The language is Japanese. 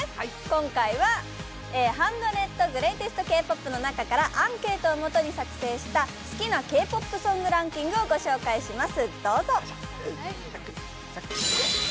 今回は１００ＧｒｅａｔｅｓｔＫ−Ｐｏｐの中からアンケートをもとに集計した好きなＫ−ＰＯＰソングランキングをご紹介します。